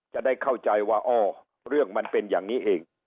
จะได้เข้าใจว่าอ้อเรื่องมันเป็นอย่างนี้เอง